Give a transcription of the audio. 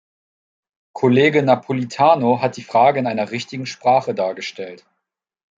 Kollege Napolitano hat die Frage in einer richtigen Sprache dargestellt.